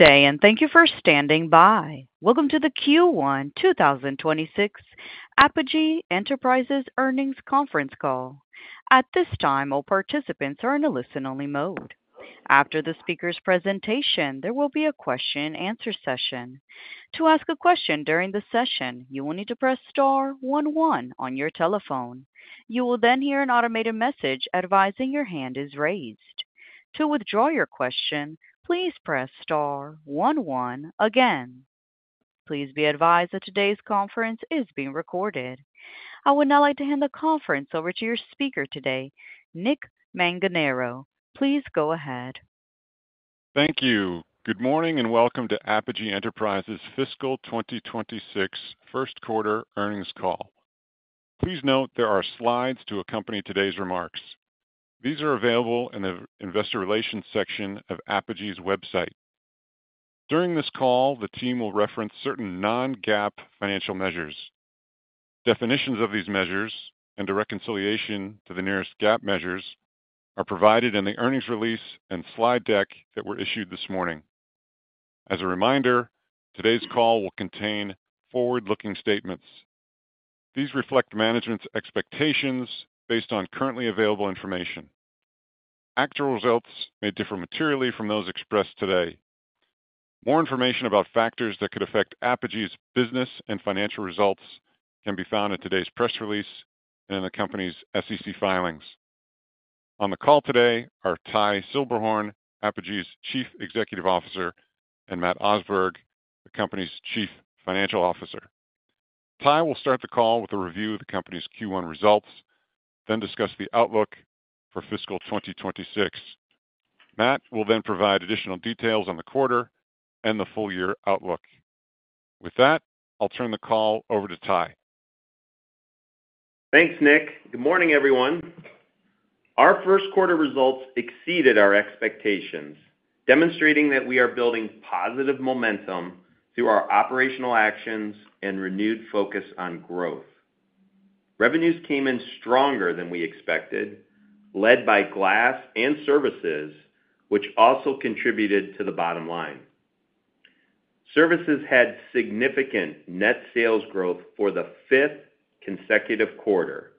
Day and thank you for standing by. Welcome to the Q1 2026 Apogee Enterprises earnings conference call. At this time, all participants are in a listen-only mode. After the speaker's presentation, there will be a question-and-answer session. To ask a question during the session, you will need to press star one one on your telephone. You will then hear an automated message advising your hand is raised. To withdraw your question, please press star one one again. Please be advised that today's conference is being recorded. I would now like to hand the conference over to your speaker today, Nick Manganaro. Please go ahead. Thank you. Good morning and welcome to Apogee Enterprises' Fiscal 2026 First Quarter earnings call. Please note there are slides to accompany today's remarks. These are available in the investor relations section of Apogee's website. During this call, the team will reference certain non-GAAP financial measures. Definitions of these measures and a reconciliation to the nearest GAAP measures are provided in the earnings release and slide deck that were issued this morning. As a reminder, today's call will contain forward-looking statements. These reflect management's expectations based on currently available information. Actual results may differ materially from those expressed today. More information about factors that could affect Apogee's business and financial results can be found in today's press release and in the company's SEC filings. On the call today are Ty Silberhorn, Apogee's Chief Executive Officer, and Matt Osberg, the company's Chief Financial Officer. Ty will start the call with a review of the company's Q1 results, then discuss the outlook for Fiscal 2026. Matt will then provide additional details on the quarter and the full-year outlook. With that, I'll turn the call over to Ty. Thanks, Nick. Good morning, everyone. Our first quarter results exceeded our expectations, demonstrating that we are building positive momentum through our operational actions and renewed focus on growth. Revenues came in stronger than we expected, led by glass and services, which also contributed to the bottom line. Services had significant net sales growth for the fifth consecutive quarter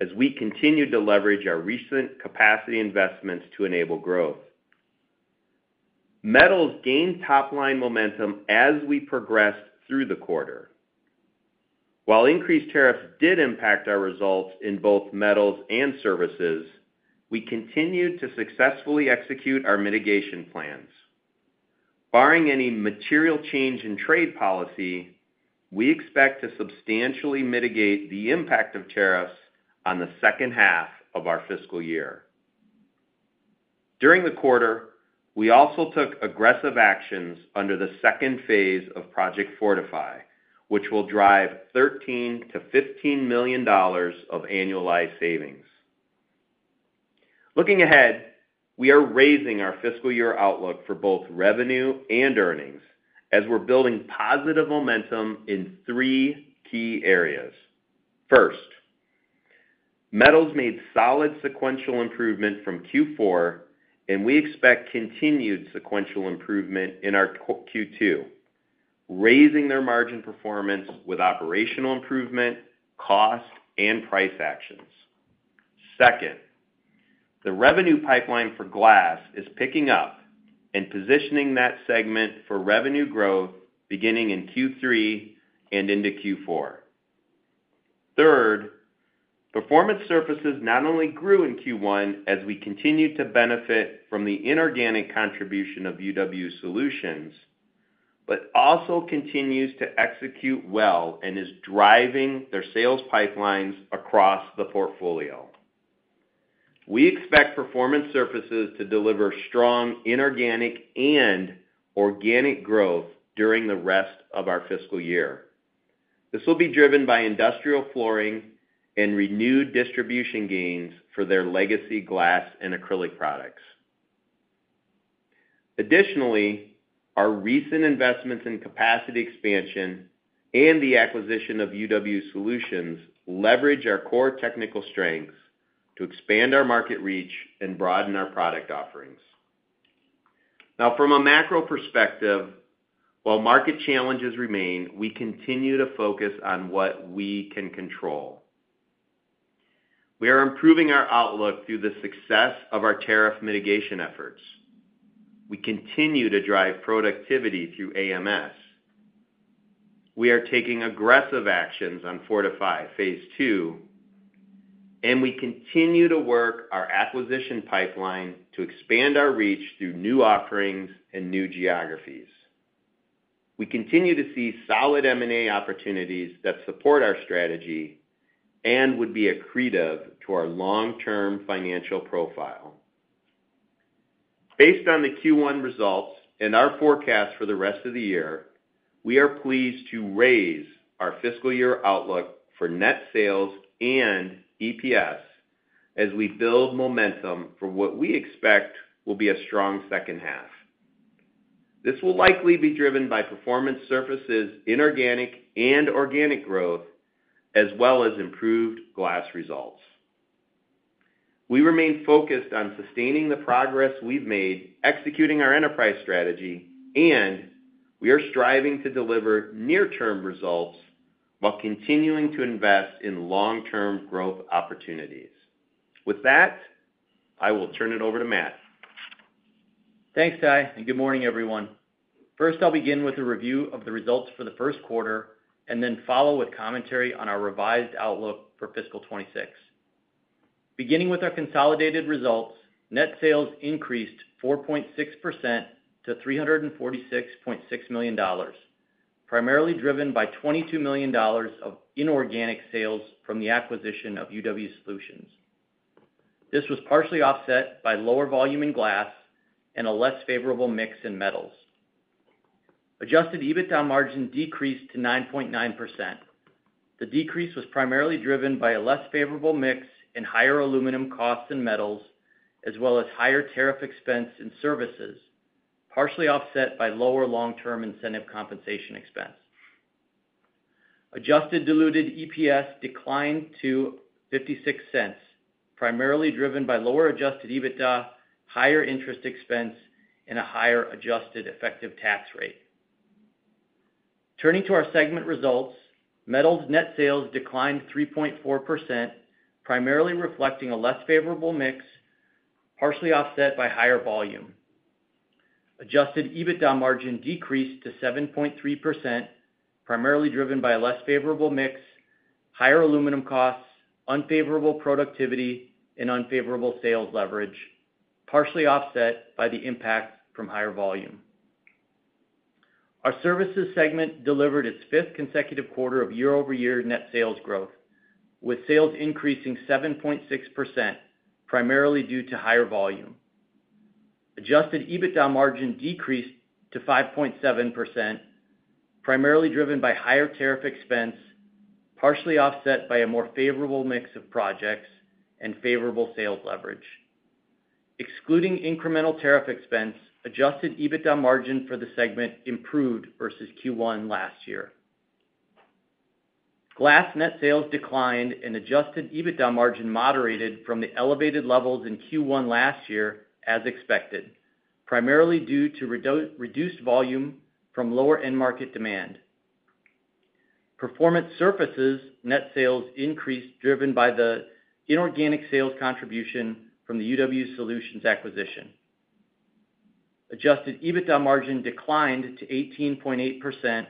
as we continued to leverage our recent capacity investments to enable growth. Metals gained top-line momentum as we progressed through the quarter. While increased tariffs did impact our results in both metals and services, we continued to successfully execute our mitigation plans. Barring any material change in trade policy, we expect to substantially mitigate the impact of tariffs on the second half of our fiscal year. During the quarter, we also took aggressive actions under the second phase of Project Fortify, which will drive $13 million-$15 million of annualized savings. Looking ahead, we are raising our fiscal year outlook for both revenue and earnings as we're building positive momentum in three key areas. First, metals made solid sequential improvement from Q4, and we expect continued sequential improvement in our Q2, raising their margin performance with operational improvement, cost, and price actions. Second, the revenue pipeline for glass is picking up and positioning that segment for revenue growth beginning in Q3 and into Q4. Third, performance services not only grew in Q1 as we continued to benefit from the inorganic contribution of UW Solutions, but also continues to execute well and is driving their sales pipelines across the portfolio. We expect performance services to deliver strong inorganic and organic growth during the rest of our fiscal year. This will be driven by industrial flooring and renewed distribution gains for their legacy glass and acrylic products. Additionally, our recent investments in capacity expansion and the acquisition of UW Solutions leverage our core technical strengths to expand our market reach and broaden our product offerings. Now, from a macro perspective, while market challenges remain, we continue to focus on what we can control. We are improving our outlook through the success of our tariff mitigation efforts. We continue to drive productivity through AMS. We are taking aggressive actions on Fortify phase II, and we continue to work our acquisition pipeline to expand our reach through new offerings and new geographies. We continue to see solid M&A opportunities that support our strategy and would be accretive to our long-term financial profile. Based on the Q1 results and our forecast for the rest of the year, we are pleased to raise our fiscal year outlook for net sales and EPS as we build momentum for what we expect will be a strong second half. This will likely be driven by performance services' inorganic and organic growth, as well as improved glass results. We remain focused on sustaining the progress we've made, executing our enterprise strategy, and we are striving to deliver near-term results while continuing to invest in long-term growth opportunities. With that, I will turn it over to Matt. Thanks, Ty, and good morning, everyone. First, I'll begin with a review of the results for the first quarter and then follow with commentary on our revised outlook for Fiscal 2026. Beginning with our consolidated results, net sales increased 4.6% to $346.6 million, primarily driven by $22 million of inorganic sales from the acquisition of UW Solutions. This was partially offset by lower volume in glass and a less favorable mix in metals. Adjusted EBITDA margin decreased to 9.9%. The decrease was primarily driven by a less favorable mix and higher aluminum costs in metals, as well as higher tariff expense in services, partially offset by lower long-term incentive compensation expense. Adjusted diluted EPS declined to $0.56, primarily driven by lower adjusted EBITDA, higher interest expense, and a higher adjusted effective tax rate. Turning to our segment results, metals net sales declined 3.4%, primarily reflecting a less favorable mix, partially offset by higher volume. Adjusted EBITDA margin decreased to 7.3%, primarily driven by a less favorable mix, higher aluminum costs, unfavorable productivity, and unfavorable sales leverage, partially offset by the impact from higher volume. Our services segment delivered its fifth consecutive quarter of year-over-year net sales growth, with sales increasing 7.6%, primarily due to higher volume. Adjusted EBITDA margin decreased to 5.7%, primarily driven by higher tariff expense, partially offset by a more favorable mix of projects and favorable sales leverage. Excluding incremental tariff expense, adjusted EBITDA margin for the segment improved versus Q1 last year. Glass net sales declined and adjusted EBITDA margin moderated from the elevated levels in Q1 last year, as expected, primarily due to reduced volume from lower end-market demand. Performance services net sales increased driven by the inorganic sales contribution from the UW Solutions acquisition. Adjusted EBITDA margin declined to 18.8%,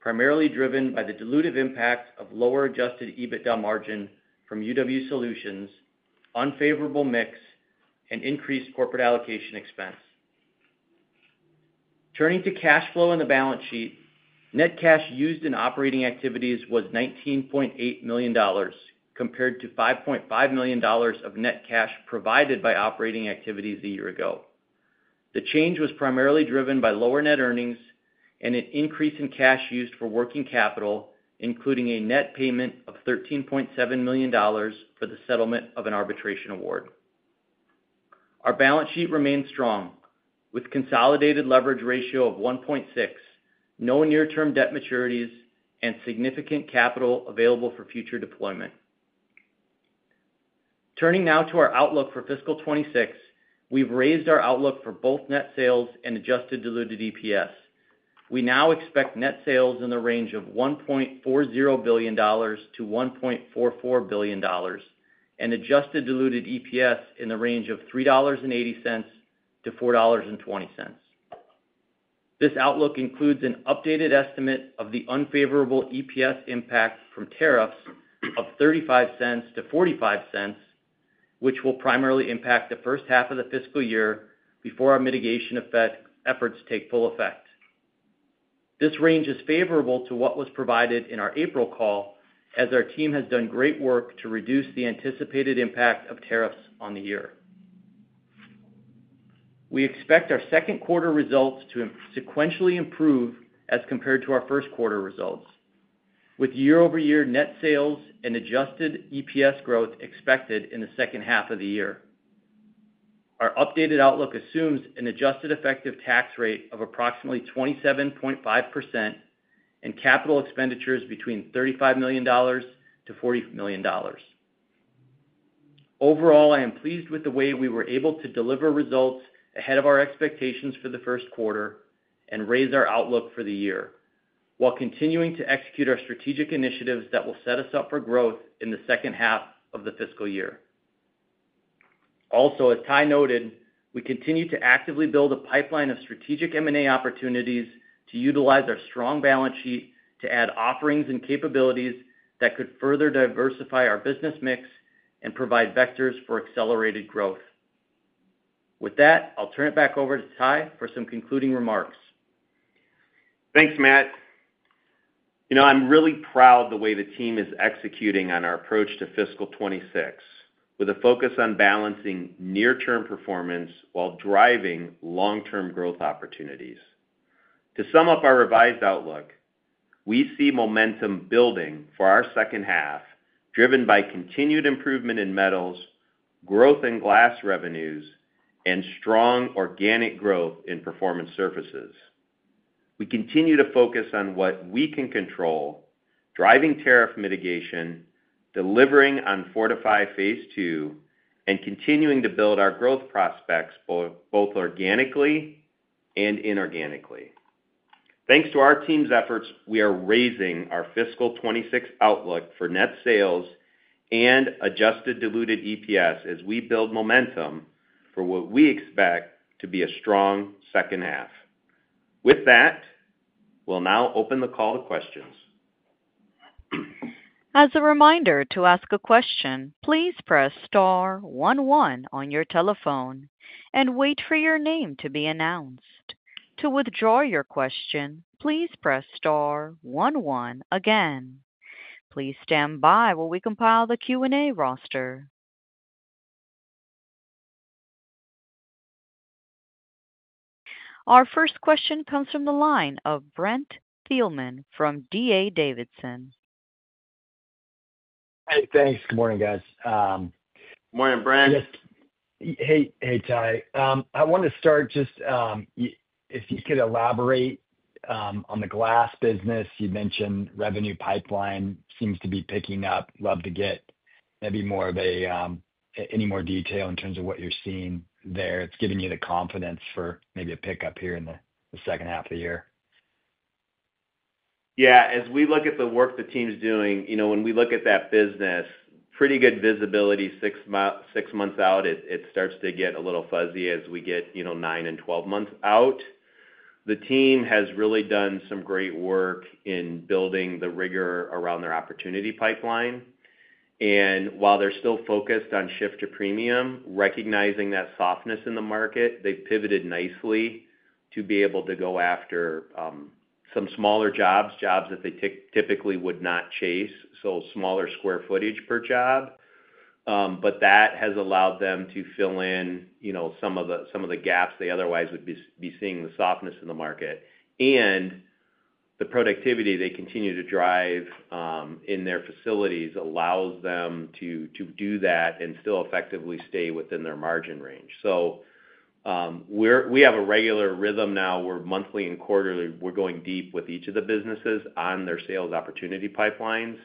primarily driven by the dilutive impact of lower adjusted EBITDA margin from UW Solutions, unfavorable mix, and increased corporate allocation expense. Turning to cash flow in the balance sheet, net cash used in operating activities was $19.8 million, compared to $5.5 million of net cash provided by operating activities a year ago. The change was primarily driven by lower net earnings and an increase in cash used for working capital, including a net payment of $13.7 million for the settlement of an arbitration award. Our balance sheet remained strong, with a consolidated leverage ratio of 1.6, no near-term debt maturities, and significant capital available for future deployment. Turning now to our outlook for Fiscal 2026, we've raised our outlook for both net sales and adjusted diluted EPS. We now expect net sales in the range of $1.40 billion-$1.44 billion and adjusted diluted EPS in the range of $3.80-$4.20. This outlook includes an updated estimate of the unfavorable EPS impact from tariffs of $0.35-$0.45, which will primarily impact the first half of the fiscal year before our mitigation efforts take full effect. This range is favorable to what was provided in our April call, as our team has done great work to reduce the anticipated impact of tariffs on the year. We expect our second quarter results to sequentially improve as compared to our first quarter results, with year-over-year net sales and adjusted EPS growth expected in the second half of the year. Our updated outlook assumes an adjusted effective tax rate of approximately 27.5% and capital expenditures between $35 million-$40 million. Overall, I am pleased with the way we were able to deliver results ahead of our expectations for the first quarter and raise our outlook for the year, while continuing to execute our strategic initiatives that will set us up for growth in the second half of the fiscal year. Also, as Ty noted, we continue to actively build a pipeline of strategic M&A opportunities to utilize our strong balance sheet to add offerings and capabilities that could further diversify our business mix and provide vectors for accelerated growth. With that, I'll turn it back over to Ty for some concluding remarks. Thanks, Matt. I'm really proud of the way the team is executing on our approach to Fiscal 2026, with a focus on balancing near-term performance while driving long-term growth opportunities. To sum up our revised outlook, we see momentum building for our second half, driven by continued improvement in metals, growth in glass revenues, and strong organic growth in performance services. We continue to focus on what we can control, driving tariff mitigation, delivering on Fortify phase II, and continuing to build our growth prospects both organically and inorganically. Thanks to our team's efforts, we are raising our Fiscal 2026 outlook for net sales and adjusted diluted EPS as we build momentum for what we expect to be a strong second half. With that, we'll now open the call to questions. As a reminder to ask a question, please press star one one on your telephone and wait for your name to be announced. To withdraw your question, please press star one one again. Please stand by while we compile the Q&A roster. Our first question comes from the line of Brent Thielman from D.A. Davidson. Hey, thanks. Good morning, guys. Good morning, Brent. Yes. Hey, Ty. I wanted to start just if you could elaborate on the glass business. You mentioned revenue pipeline seems to be picking up. Love to get maybe more of any more detail in terms of what you're seeing there. It's giving you the confidence for maybe a pickup here in the second half of the year. Yeah. As we look at the work the team's doing, when we look at that business, pretty good visibility six months out, it starts to get a little fuzzy as we get nine and twelve months out. The team has really done some great work in building the rigor around their opportunity pipeline. While they're still focused on shift to premium, recognizing that softness in the market, they've pivoted nicely to be able to go after some smaller jobs, jobs that they typically would not chase, so smaller square footage per job. That has allowed them to fill in some of the gaps they otherwise would be seeing the softness in the market. The productivity they continue to drive in their facilities allows them to do that and still effectively stay within their margin range. We have a regular rhythm now where monthly and quarterly, we're going deep with each of the businesses on their sales opportunity pipelines.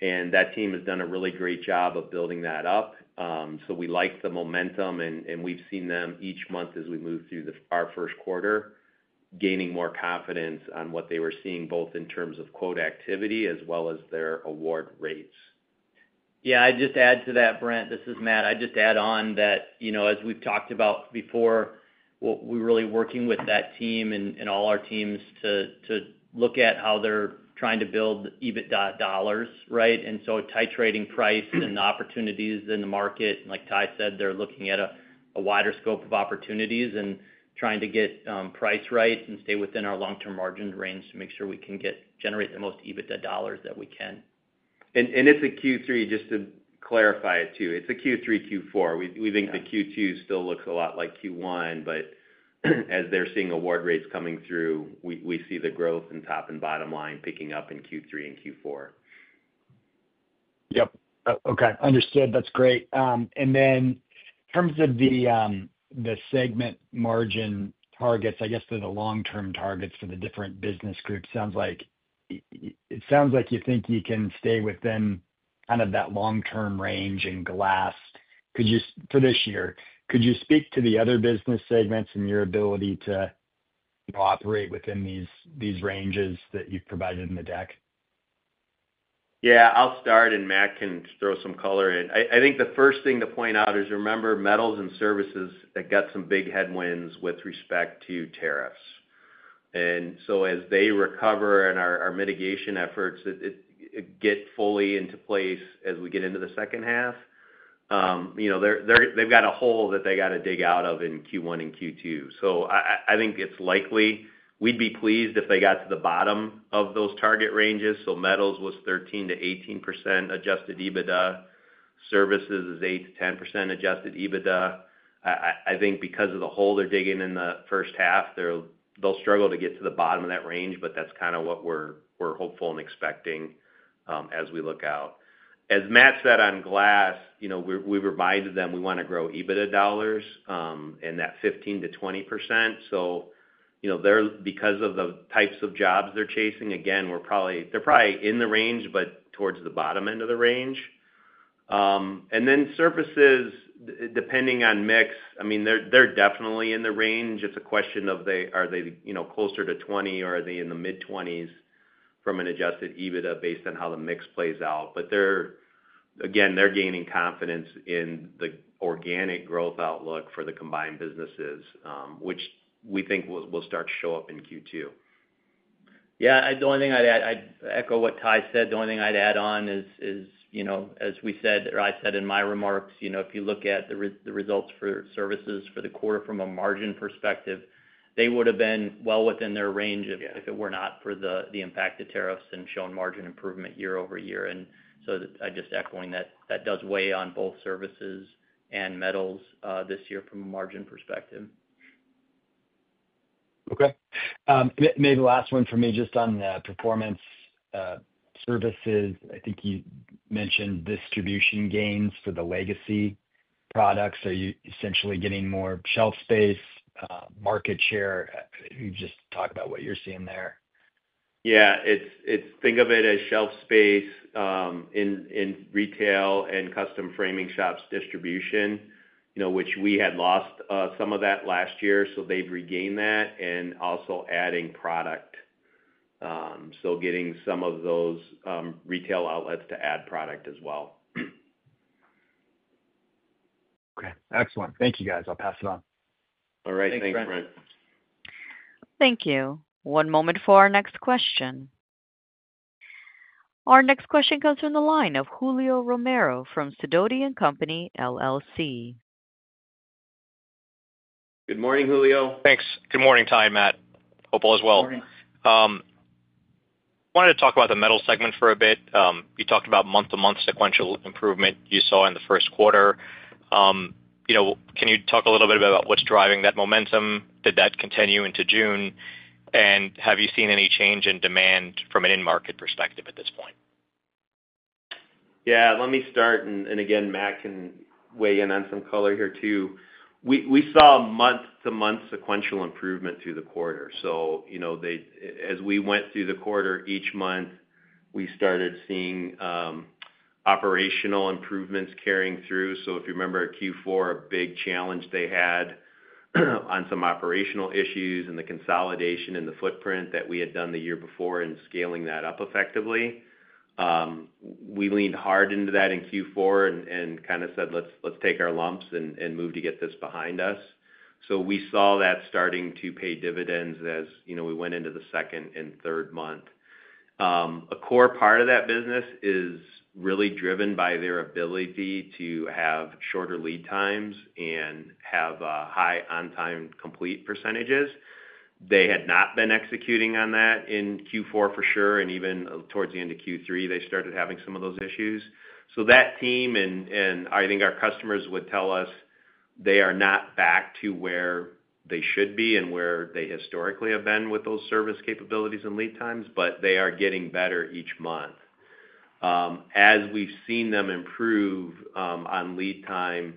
That team has done a really great job of building that up. We like the momentum, and we've seen them each month as we move through our first quarter, gaining more confidence on what they were seeing both in terms of quote activity as well as their award rates. Yeah. I'd just add to that, Brent. This is Matt. I'd just add on that as we've talked about before, we're really working with that team and all our teams to look at how they're trying to build EBITDA dollars, right? And so titrating price and the opportunities in the market. Like Ty said, they're looking at a wider scope of opportunities and trying to get price right and stay within our long-term margin range to make sure we can generate the most EBITDA dollars that we can. It is a Q3, just to clarify it too. It is a Q3, Q4. We think the Q2 still looks a lot like Q1, but as they are seeing award rates coming through, we see the growth in top and bottom line picking up in Q3 and Q4. Yep. Okay. Understood. That's great. In terms of the segment margin targets, I guess for the long-term targets for the different business groups, it sounds like you think you can stay within kind of that long-term range in glass for this year. Could you speak to the other business segments and your ability to operate within these ranges that you've provided in the deck? Yeah. I'll start, and Matt can throw some color in. I think the first thing to point out is remember metals and services that got some big headwinds with respect to tariffs. As they recover and our mitigation efforts get fully into place as we get into the second half, they've got a hole that they got to dig out of in Q1 and Q2. I think it's likely we'd be pleased if they got to the bottom of those target ranges. Metals was 13%-18% adjusted EBITDA. Services is 8%-10% adjusted EBITDA. I think because of the hole they're digging in the first half, they'll struggle to get to the bottom of that range, but that's kind of what we're hopeful and expecting as we look out. As Matt said on glass, we reminded them we want to grow EBITDA dollars in that 15%-20%. So because of the types of jobs they're chasing, again, they're probably in the range, but towards the bottom end of the range. And then services, depending on mix, I mean, they're definitely in the range. It's a question of are they closer to 20% or are they in the mid-20% from an adjusted EBITDA based on how the mix plays out. But again, they're gaining confidence in the organic growth outlook for the combined businesses, which we think will start to show up in Q2. Yeah. The only thing I'd add, I'd echo what Ty said. The only thing I'd add on is, as we said, or I said in my remarks, if you look at the results for services for the quarter from a margin perspective, they would have been well within their range if it were not for the impacted tariffs and shown margin improvement year-over-year. I'm just echoing that that does weigh on both services and metals this year from a margin perspective. Okay. Maybe last one for me just on the performance services. I think you mentioned distribution gains for the legacy products. Are you essentially getting more shelf space, market share? You just talk about what you're seeing there? Yeah. Think of it as shelf space in retail and custom framing shops distribution, which we had lost some of that last year. They have regained that and also adding product. Getting some of those retail outlets to add product as well. Okay. Excellent. Thank you, guys. I'll pass it on. All right. Thanks, Brent. Thank you. One moment for our next question. Our next question comes from the line of Julio Romero from Sidoti & Company. Good morning, Julio. Thanks. Good morning, Ty, Matt. Hope all is well. Good morning. Wanted to talk about the metal segment for a bit. You talked about month-to-month sequential improvement you saw in the first quarter. Can you talk a little bit about what's driving that momentum? Did that continue into June? Have you seen any change in demand from an in-market perspective at this point? Yeah. Let me start. Again, Matt can weigh in on some color here too. We saw month-to-month sequential improvement through the quarter. As we went through the quarter each month, we started seeing operational improvements carrying through. If you remember Q4, a big challenge they had on some operational issues and the consolidation in the footprint that we had done the year before and scaling that up effectively. We leaned hard into that in Q4 and kind of said, "Let's take our lumps and move to get this behind us." We saw that starting to pay dividends as we went into the second and third month. A core part of that business is really driven by their ability to have shorter lead times and have high on-time complete percentages. They had not been executing on that in Q4 for sure. Even towards the end of Q3, they started having some of those issues. That team, and I think our customers would tell us they are not back to where they should be and where they historically have been with those service capabilities and lead times, but they are getting better each month. As we have seen them improve on lead time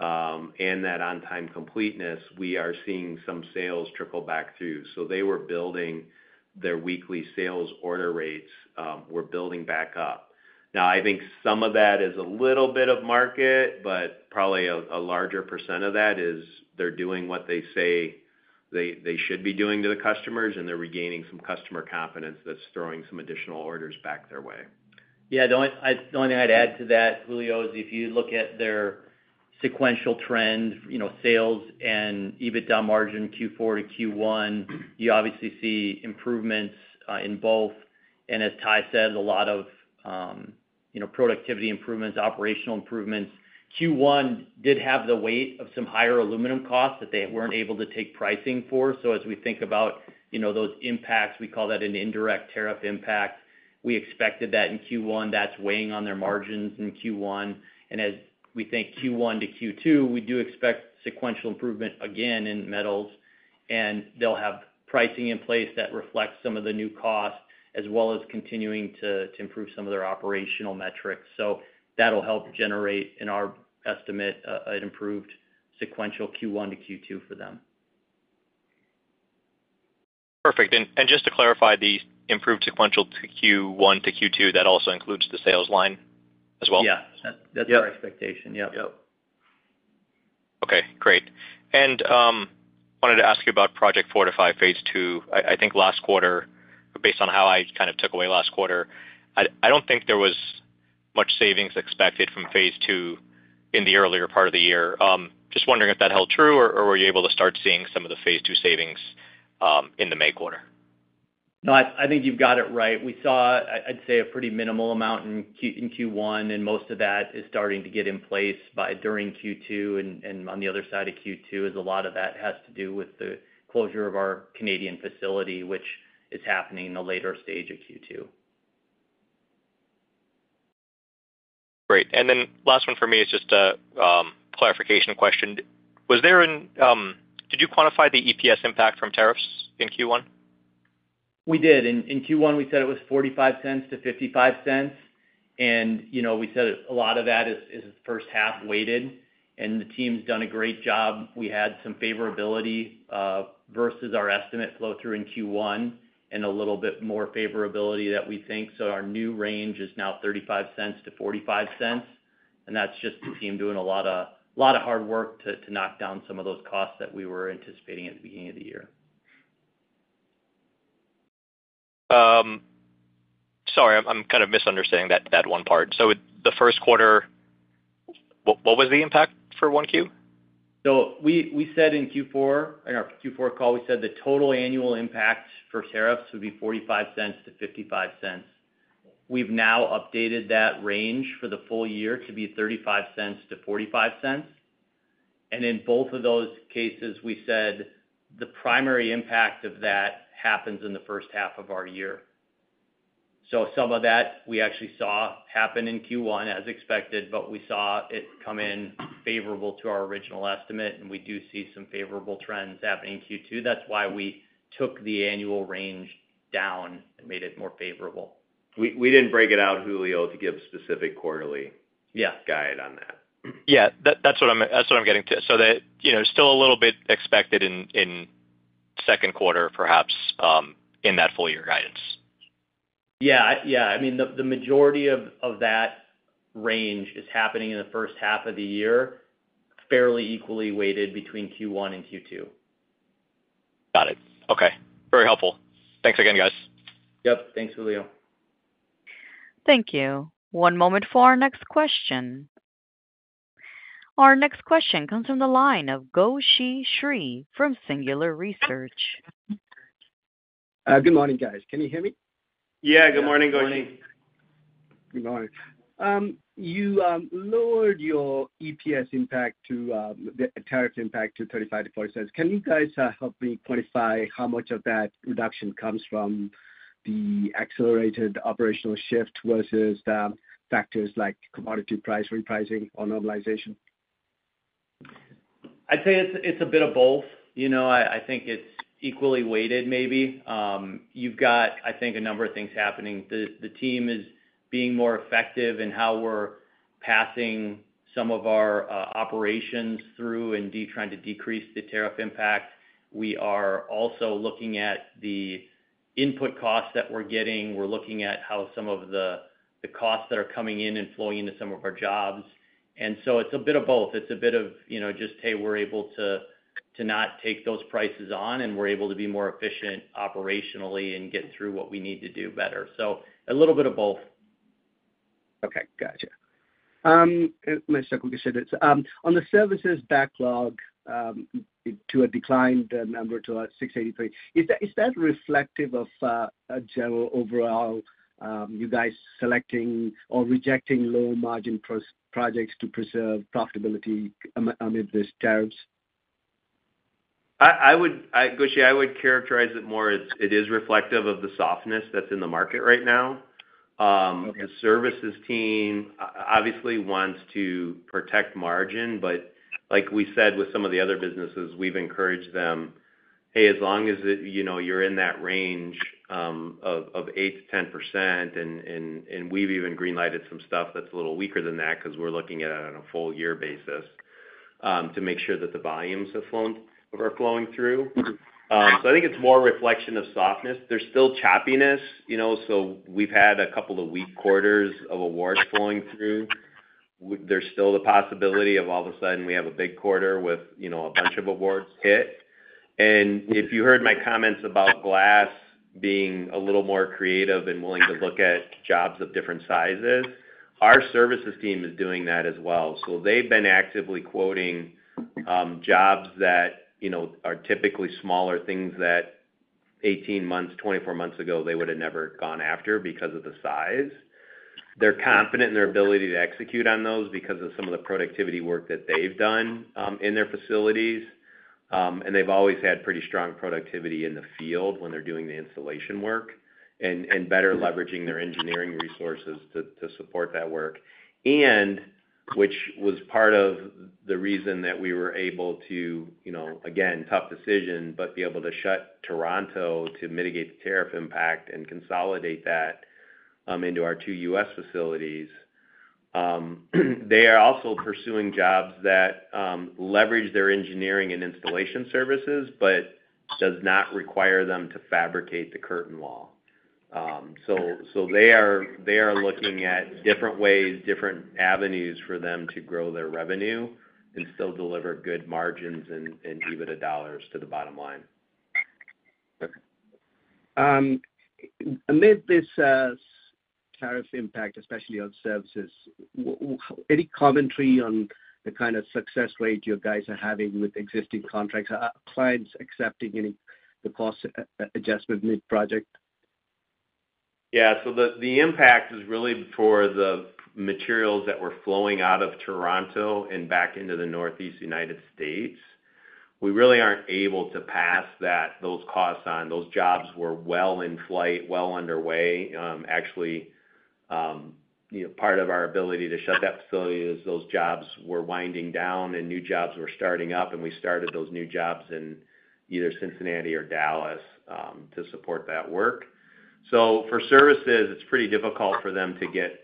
and that on-time completeness, we are seeing some sales trickle back through. They were building, their weekly sales order rates were building back up. I think some of that is a little bit of market, but probably a larger percent of that is they are doing what they say they should be doing to the customers, and they are regaining some customer confidence that is throwing some additional orders back their way. Yeah. The only thing I'd add to that, Julio, is if you look at their sequential trend, sales and EBITDA margin Q4 to Q1, you obviously see improvements in both. As Ty said, a lot of productivity improvements, operational improvements. Q1 did have the weight of some higher aluminum costs that they were not able to take pricing for. As we think about those impacts, we call that an indirect tariff impact. We expected that in Q1. That is weighing on their margins in Q1. As we think Q1 to Q2, we do expect sequential improvement again in metals. They will have pricing in place that reflects some of the new costs as well as continuing to improve some of their operational metrics. That will help generate, in our estimate, an improved sequential Q1 to Q2 for them. Perfect. Just to clarify, the improved sequential Q1 to Q2, that also includes the sales line as well? Yeah. That's our expectation. Yep. Yep. Okay. Great. I wanted to ask you about Project Fortify phase II. I think last quarter, based on how I kind of took away last quarter, I do not think there was much savings expected from phase II in the earlier part of the year. Just wondering if that held true, or were you able to start seeing some of the phase II savings in the May quarter? No, I think you've got it right. We saw, I'd say, a pretty minimal amount in Q1, and most of that is starting to get in place by during Q2. On the other side of Q2, a lot of that has to do with the closure of our Canadian facility, which is happening in the later stage of Q2. Great. Last one for me is just a clarification question. Did you quantify the EPS impact from tariffs in Q1? We did. In Q1, we said it was $0.45-$0.55. We said a lot of that is first half weighted. The team's done a great job. We had some favorability versus our estimate flow through in Q1 and a little bit more favorability that we think. Our new range is now $0.35-$0.45. That is just the team doing a lot of hard work to knock down some of those costs that we were anticipating at the beginning of the year. Sorry, I'm kind of misunderstanding that one part. For the first quarter, what was the impact for Q1? We said in Q4, in our Q4 call, we said the total annual impact for tariffs would be $0.45-$0.55. We have now updated that range for the full year to be $0.35-$0.45. In both of those cases, we said the primary impact of that happens in the first half of our year. Some of that we actually saw happen in Q1 as expected, but we saw it come in favorable to our original estimate. We do see some favorable trends happening in Q2. That is why we took the annual range down and made it more favorable. We did not break it out, Julio, to give specific quarterly guide on that. Yeah. That's what I'm getting to. Still a little bit expected in second quarter, perhaps, in that full-year guidance. Yeah. Yeah. I mean, the majority of that range is happening in the first half of the year, fairly equally weighted between Q1 and Q2. Got it. Okay. Very helpful. Thanks again, guys. Yep. Thanks, Julio. Thank you. One moment for our next question. Our next question comes from the line of Gowshi Sri from Singular Research. Good morning, guys. Can you hear me? Yeah. Good morning, Gowshi. Good morning. You lowered your EPS impact to the tariff impact to $0.35-$0.40. Can you guys help me quantify how much of that reduction comes from the accelerated operational shift versus factors like commodity price repricing or normalization? I'd say it's a bit of both. I think it's equally weighted, maybe. You've got, I think, a number of things happening. The team is being more effective in how we're passing some of our operations through and trying to decrease the tariff impact. We are also looking at the input costs that we're getting. We're looking at how some of the costs that are coming in and flowing into some of our jobs. It's a bit of both. It's a bit of just, hey, we're able to not take those prices on, and we're able to be more efficient operationally and get through what we need to do better. A little bit of both. Okay. Gotcha. Let me see if we can see this. On the services backlog, to a declined number to 683, is that reflective of a general overall you guys selecting or rejecting low-margin projects to preserve profitability amid these tariffs? Gowshi, I would characterize it more as it is reflective of the softness that's in the market right now. The services team obviously wants to protect margin, but like we said with some of the other businesses, we've encouraged them, "Hey, as long as you're in that range of 8%-10%," and we've even greenlighted some stuff that's a little weaker than that because we're looking at it on a full-year basis to make sure that the volumes are flowing through. I think it's more a reflection of softness. There's still choppiness. We've had a couple of weak quarters of awards flowing through. There's still the possibility of all of a sudden we have a big quarter with a bunch of awards hit. If you heard my comments about glass being a little more creative and willing to look at jobs of different sizes, our services team is doing that as well. They've been actively quoting jobs that are typically smaller, things that 18 months, 24 months ago, they would have never gone after because of the size. They're confident in their ability to execute on those because of some of the productivity work that they've done in their facilities. They've always had pretty strong productivity in the field when they're doing the installation work and better leveraging their engineering resources to support that work, which was part of the reason that we were able to, again, tough decision, but be able to shut Toronto to mitigate the tariff impact and consolidate that into our two US facilities. They are also pursuing jobs that leverage their engineering and installation services, but does not require them to fabricate the curtain wall. They are looking at different ways, different avenues for them to grow their revenue and still deliver good margins and EBITDA dollars to the bottom line. Okay. Amid this tariff impact, especially on services, any commentary on the kind of success rate you guys are having with existing contracts? Are clients accepting any cost adjustment mid-project? Yeah. The impact is really for the materials that were flowing out of Toronto and back into the Northeast United States. We really are not able to pass those costs on. Those jobs were well in flight, well underway. Actually, part of our ability to shut that facility is those jobs were winding down and new jobs were starting up. We started those new jobs in either Cincinnati or Dallas to support that work. For services, it is pretty difficult for them to get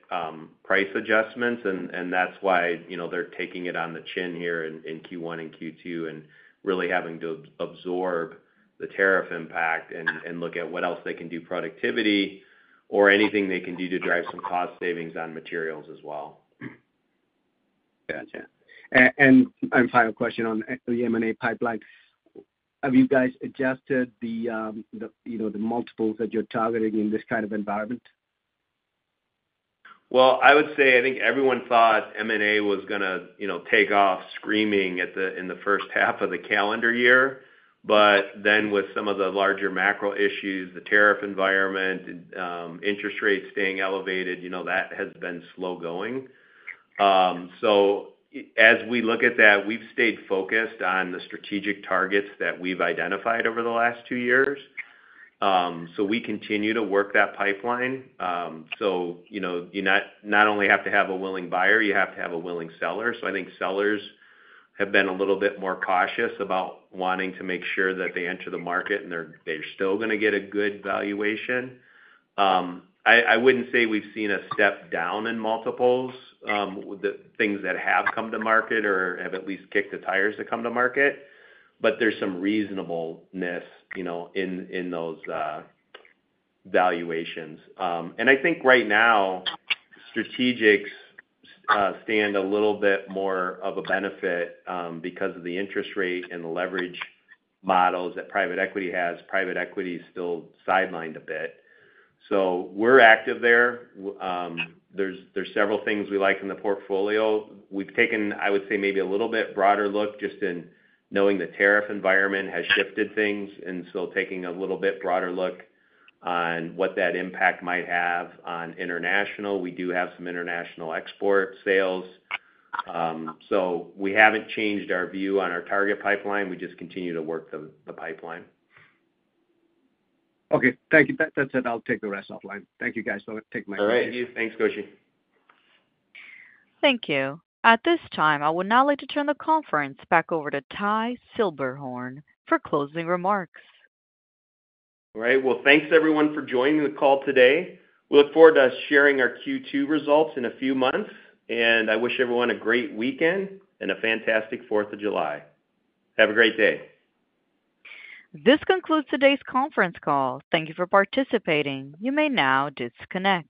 price adjustments. That is why they are taking it on the chin here in Q1 and Q2 and really having to absorb the tariff impact and look at what else they can do productivity or anything they can do to drive some cost savings on materials as well. Gotcha. My final question on the M&A pipeline. Have you guys adjusted the multiples that you're targeting in this kind of environment? I would say I think everyone thought M&A was going to take off screaming in the first half of the calendar year. However, with some of the larger macro issues, the tariff environment, interest rates staying elevated, that has been slow going. As we look at that, we've stayed focused on the strategic targets that we've identified over the last two years. We continue to work that pipeline. You not only have to have a willing buyer, you have to have a willing seller. I think sellers have been a little bit more cautious about wanting to make sure that they enter the market and they're still going to get a good valuation. I wouldn't say we've seen a step down in multiples with the things that have come to market or have at least kicked the tires to come to market, but there's some reasonableness in those valuations. I think right now, strategics stand a little bit more of a benefit because of the interest rate and the leverage models that private equity has. Private equity is still sidelined a bit. We're active there. There are several things we like in the portfolio. We've taken, I would say, maybe a little bit broader look just in knowing the tariff environment has shifted things. Taking a little bit broader look on what that impact might have on international. We do have some international export sales. We haven't changed our view on our target pipeline. We just continue to work the pipeline. Okay. Thank you. That's it. I'll take the rest offline. Thank you, guys. I'll take my leave. All right. Thanks, Gowshi. Thank you. At this time, I would now like to turn the conference back over to Ty Silberhorn for closing remarks. All right. Thanks, everyone, for joining the call today. We look forward to sharing our Q2 results in a few months. I wish everyone a great weekend and a fantastic 4th July. Have a great day. This concludes today's conference call. Thank you for participating. You may now disconnect.